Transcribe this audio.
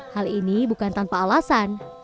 hal ini bukan tanpa alasan